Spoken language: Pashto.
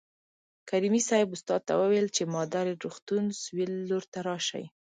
کریمي صیب استاد ته وویل چې مادر روغتون سویل لور ته راشئ.